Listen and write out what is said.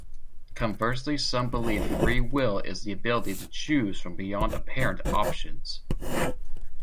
Conversely some believe free will is the ability to choose from beyond apparent options.